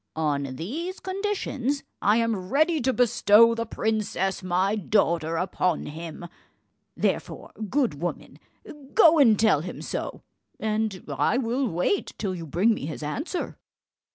On these conditions I am ready to bestow the princess my daughter upon him; therefore, good woman, go and tell him so, and I will wait till you bring me his answer."